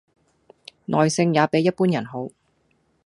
耐性也比一般人好